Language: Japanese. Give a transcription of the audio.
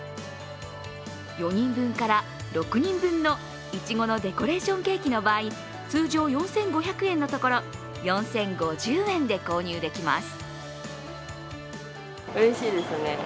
４人分から６人分の苺のデコレーションケーキの場合通常４５００円のところ４０５０円で購入できます。